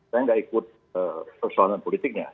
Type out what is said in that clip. saya nggak ikut persoalan politiknya